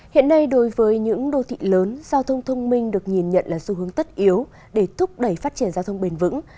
hiện nay đối với những đô thị lớn giao thông thông minh được nhìn nhận là xu hướng tất yếu để thúc đẩy phát triển giao thông bền vững